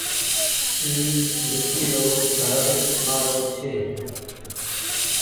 اي ميٽي رو گهر مآرو ڇي۔